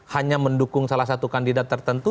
hanya mendukung salah satu kandidat tertentu